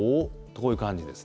こういう感じです。